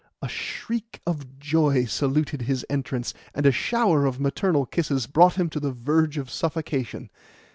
A shriek of joy saluted his entrance, and a shower of maternal kisses brought him to the verge of suffocation.